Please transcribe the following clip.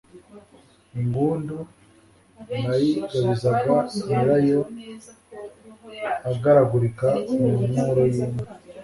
Ingundu nayigabizaga nyirayo agaragurika mu nkoro y'inka!